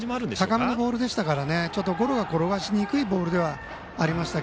高めのボールでしたからゴロが転がしにくいボールでした。